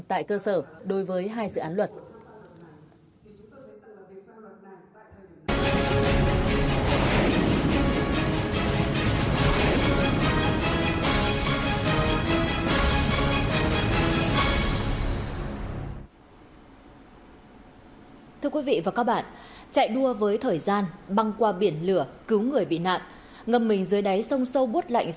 tại cơ sở đối với hai dự án luật